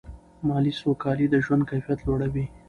مالي سوکالي د ژوند کیفیت لوړوي.